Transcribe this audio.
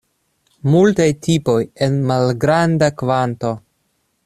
Multaj tipoj en malgranda kvanto.